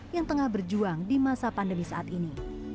yang tengah berjuang di masa pandemi saat ini